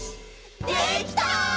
「できた！」